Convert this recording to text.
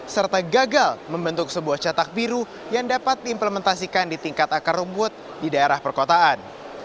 serta gagal membentuk sebuah cetak biru yang dapat diimplementasikan di tingkat akar rumput di daerah perkotaan